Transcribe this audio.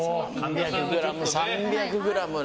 ３００ｇね。